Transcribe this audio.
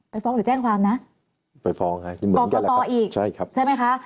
ไปฟ้องหรือแจ้งความนะไปฟ้องค่ะกรกตอีกใช่ไหมคะ